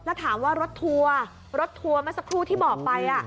แล้วถามว่ารถทัวร์รถทัวร์เมื่อสักครู่ที่บอกไป